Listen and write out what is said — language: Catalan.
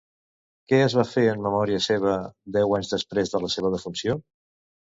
Què es va fer en memòria seva deu anys després de la seva defunció?